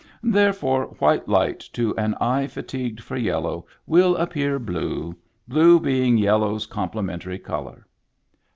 Therefore, white light to an eye fatigued for yellow will appear blue — blue being yellow's complementary color.